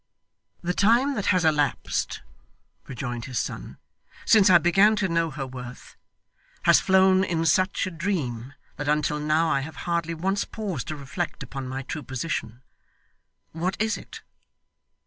'The time that has elapsed,' rejoined his son, 'since I began to know her worth, has flown in such a dream that until now I have hardly once paused to reflect upon my true position. What is it?